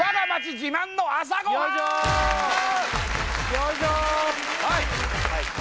よいしょ！